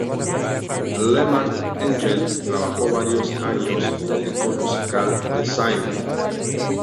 Lehman Engel trabajó varias años como director musical del St.